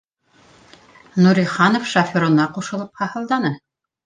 — Нуриханов шоферына ҡушылып һаһылданы